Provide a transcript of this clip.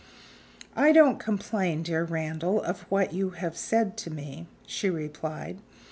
"I don't complain, dear Randal, of what you have said to me," she replied.